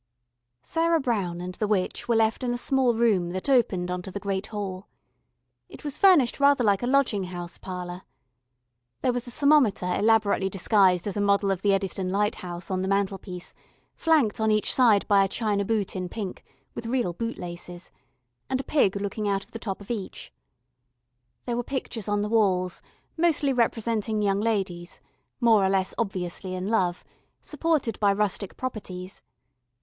Sarah Brown and the witch were left in a small room that opened on to the great hall. It was furnished rather like a lodging house parlour. There was a thermometer elaborately disguised as a model of the Eddystone Lighthouse on the mantelpiece, flanked on each side by a china boot in pink, with real bootlaces, and a pig looking out of the top of each. There were pictures on the walls, mostly representing young ladies, more or less obviously in love, supported by rustic properties.